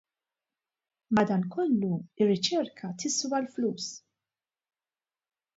Madankollu, ir-riċerka tiswa l-flus.